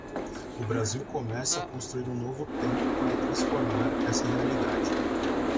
O Brasil começa a construir um novo tempo para transformar essa realidade